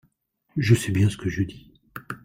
je sais bien ce que je dis.